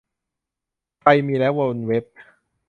ไทยมีแล้วบนเว็บ